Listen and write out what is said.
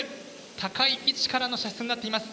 高い位置からの射出になっています。